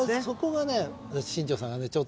そこがね新庄さんがね